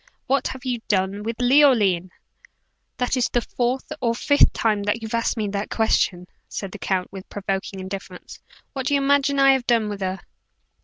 What have you done with Leoline?" "That is the fourth or fifth time that you've asked me that question," said the count, with provoking indifference. "What do you imagine I have done with her?"